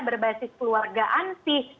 berbasis kekeluargaan sih